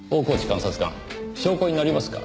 監察官証拠になりますか？